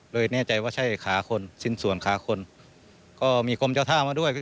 แน่ใจว่าใช่ขาคนชิ้นส่วนขาคนก็มีกรมเจ้าท่ามาด้วย